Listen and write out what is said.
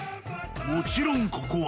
もちろん、ここは、